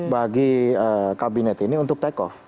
bagi kabinet ini untuk take off